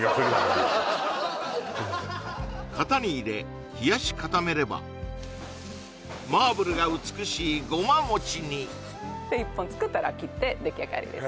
型に入れ冷やし固めればマーブルが美しいごま餅に１本作ったら切って出来上がりですね